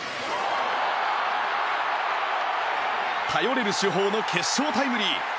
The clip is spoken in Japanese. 頼れる主砲の決勝タイムリー！